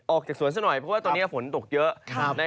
ออกจากสวนซะหน่อยเพราะว่าตอนนี้ฝนตกเยอะ